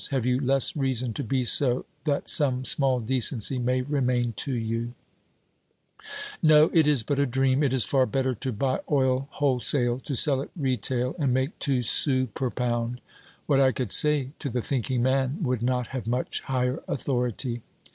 Have you less reason to be so that some small decency may remain to you ? No, it is but a dream ; it is far better to buy oil wholesale, to sell it retail and make two sous per pound. What I 302 OBERMANN could say to the thinking man would not have much higher authority.